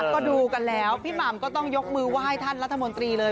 ก็ดูกันแล้วพี่หม่ำก็ต้องยกมือไหว้ท่านรัฐมนตรีเลย